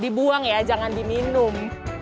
dibuang ya jangan diminum